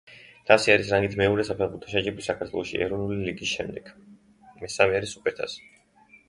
თასი არის რანგით მეორე საფეხბურთო შეჯიბრი საქართველოში ეროვნული ლიგის შემდეგ.